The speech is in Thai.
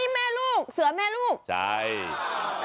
ไม่ใช่ค่ะ